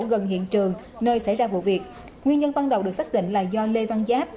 gần hiện trường nơi xảy ra vụ việc nguyên nhân ban đầu được xác định là do lê văn giáp